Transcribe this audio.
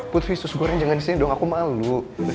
putri sus gue renjangan disini dong aku malu